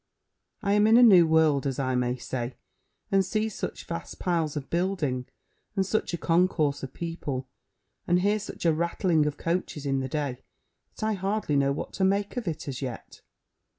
I am in a new world, as I may say, and see such vast piles of building, and such a concourse of people, and hear such a rattling of coaches in the day, that I hardly know what to make of it, as yet.